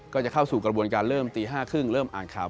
ก็จะเข้าสู่กระบวนการเริ่มตี๕๓๐เริ่มอ่านข่าว